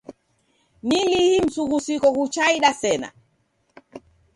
Ni lii msughusiko ghuchaida sena?